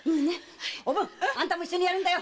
おぶんあんたも一緒にやるんだよ